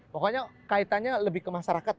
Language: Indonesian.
pokoknya kaitannya lebih ke masyarakat